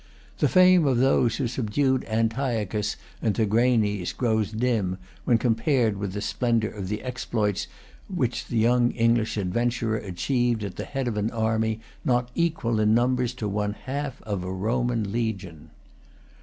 The fame of those who subdued Antiochus and Tigranes grows dim when compared with the splendour of the exploits which the young English adventurer achieved at the head of an army not equal in numbers to one half of a Roman legion.